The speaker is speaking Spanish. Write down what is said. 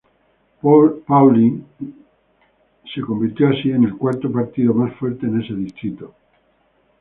Pauli y se convirtió así en el cuarto partido más fuerte en ese distrito.